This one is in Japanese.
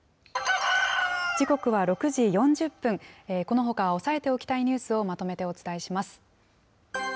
時刻は６時４０分、このほか押さえておきたいニュースをまとめてお伝えします。